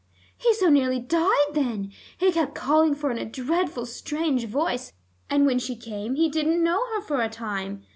"He so nearly died then. He kept calling for her in a dreadful strange voice, and when she came he didn't know her for a time.